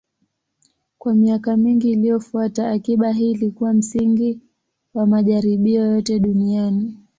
Kwa miaka mingi iliyofuata, akiba hii ilikuwa msingi wa majaribio yote duniani.